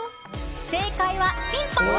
正解はピンポン！